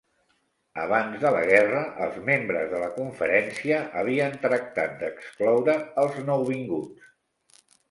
Abans de la guerra, els membres de la conferència havien tractat d'excloure als nouvinguts.